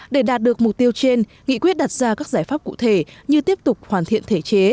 để đạt được mục tiêu trên nghị quyết đặt ra các giải pháp cụ thể như tiếp tục hoàn thiện thể chế